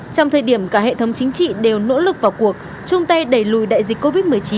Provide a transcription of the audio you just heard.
trong thời điểm cả hệ thống chính trị đều nỗ lực vào cuộc chung tay đẩy lùi đại dịch covid một mươi chín